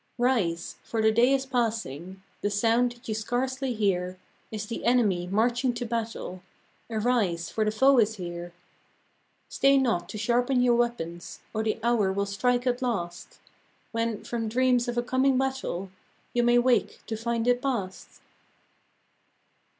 Rise ! for the day is passing ; The sound that you scarcely hear Is the enemy marching to battle ; Arise ! for the foe is here ! Stay not to sharpen your weapons, Or the hour will strike at last, When, from dreams of a coming battle, You may wake to find it past.